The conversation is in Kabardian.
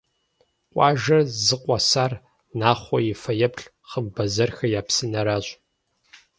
Къуажэр зыкъуэсар Нахъуэ и фэеплъ «Хъымбэзэрхэ я псынэращ».